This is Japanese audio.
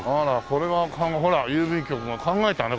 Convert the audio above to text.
これはほら郵便局が考えたね